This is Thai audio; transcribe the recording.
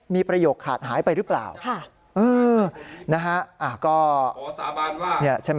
มีประโยคขาดหายไปหรือเปล่านะฮะก็ใช่ไหม